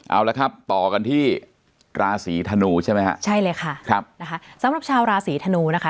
เอาละครับต่อกันที่ราศีธนูใช่ไหมฮะใช่เลยค่ะครับนะคะสำหรับชาวราศีธนูนะคะ